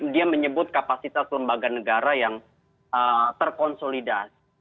dia menyebut kapasitas lembaga negara yang terkonsolidasi